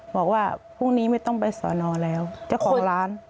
บอกว่าพรุ่งนี้ไม่ต้องไปสอนอแล้วเจ้าของร้าน